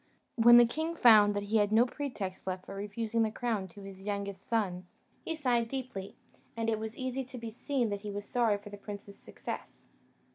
When the king found he had no pretext left for refusing the crown to his youngest son, he sighed deeply, and it was easy to be seen that he was sorry for the prince's success.